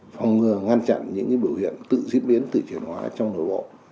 phòng ngừa ngăn chặn những cái biểu hiện tự diễn biến tự triển hóa trong nội bộ